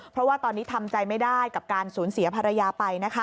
เพราะว่าตอนนี้ทำใจไม่ได้กับการสูญเสียภรรยาไป